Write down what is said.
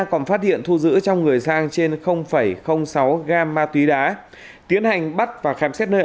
còn phát hiện thu giữ trong người giang trên sáu gam ma túy đá tiến hành bắt và khám xét nơi